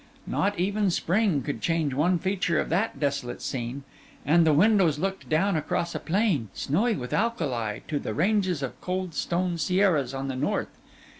Not even spring could change one feature of that desolate scene; and the windows looked down across a plain, snowy with alkali, to ranges of cold stone sierras on the north.